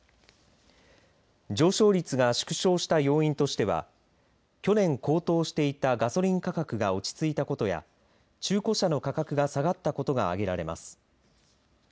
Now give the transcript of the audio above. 上昇率が縮小した要因としては去年、高騰していたガソリン価格が落ち着いたことや中古車の価格が下がったことが挙げられます。